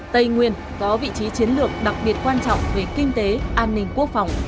tây nguyên có vị trí chiến lược đặc biệt quan trọng về kinh tế an ninh quốc phòng